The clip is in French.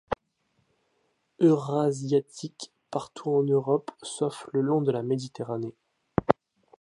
Eurasiatique, partout en Europe sauf le long de la Méditerranée.